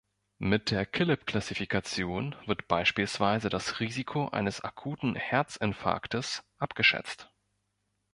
Mit der Killip-Klassifikation wird beispielsweise das Risiko eines akuten Herzinfarktes abgeschätzt.